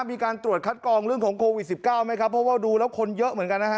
มีการตรวจคัดกรองเรื่องของโควิด๑๙ไหมครับเพราะว่าดูแล้วคนเยอะเหมือนกันนะฮะ